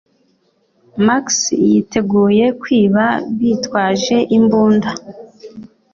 Max yiteguye kwiba bitwaje imbunda